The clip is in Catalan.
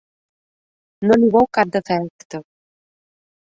No li veu cap defecte.